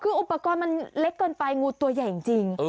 คืออุปกรณ์มันเล็กเกินไปงูตัวใหญ่จริง